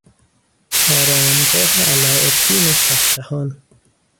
آرامگاه علاءالدین شهشهان